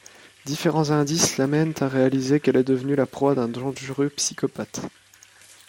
Différents indices l'amènent à réaliser qu'elle est devenue la proie d'un dangereux psychopathe…